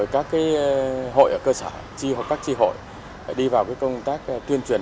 các hội ở cơ sở các tri hội đi vào công tác tuyên truyền